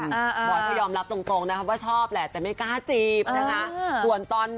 บอยก็ยอมรับตรงนะครับว่าชอบแหละแต่ไม่กล้าจีบนะคะ